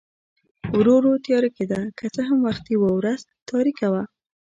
ورو ورو تیاره کېده، که څه هم وختي و، ورځ تاریکه وه.